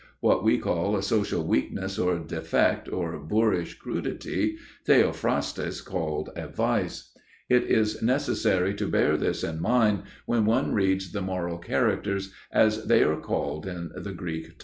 What we call a social weakness, or defect, or boorish crudity, Theophrastus called a vice. It is necessary to bear this in mind when one reads the "moral characters," as they are called in the Greek title.